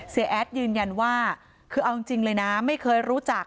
เสียแอดยืนยันว่าคืออาวุธจริงไม่เคยรู้จัก